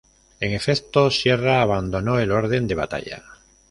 En efecto, Sierra abandonó el orden de batalla.